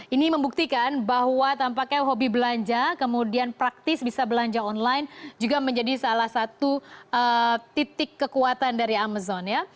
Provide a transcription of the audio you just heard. ini membuktikan bahwa tampaknya hobi belanja kemudian praktis bisa belanja online juga menjadi salah satu titik kekuatan dari amazon ya